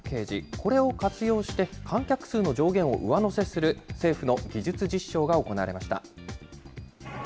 これを活用して、観客数の上限を上乗せする政府の技術実証が行われました。